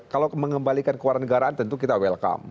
kalau mengembalikan ke warga negaraan tentu kita welcome